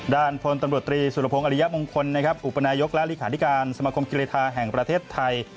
พลตำรวจตรีสุรพงศ์อริยมงคลนะครับอุปนายกและเลขาธิการสมคมกีฬาแห่งประเทศไทย